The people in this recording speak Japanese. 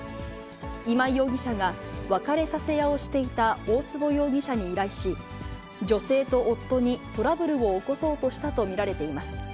今井容疑者が別れさせ屋をしていた大坪容疑者に依頼し、女性と夫にトラブルを起こそうとしたと見られています。